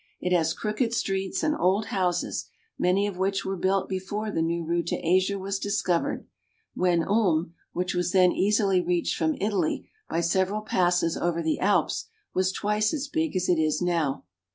It has crooked streets and old houses, many of which were built before the new route to Asia was discovered, when Ulm, which was then easily reached from Italy by several passes over the Alps, was twice as big as it is now.